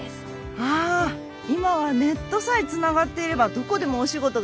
あ今はネットさえつながっていればどこでもお仕事ができる時代ですもんね。